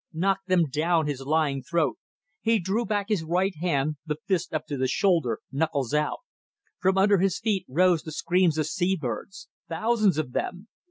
Knock them down his lying throat ... He drew back his right hand, the fist up to the shoulder, knuckles out. From under his feet rose the screams of sea birds. Thousands of them.